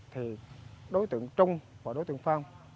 thì đối tượng trung và đối tượng phong